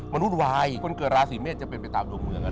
มันวุ่นวายคนเกิดราศีเมษจะเป็นไปตามดวงเมือง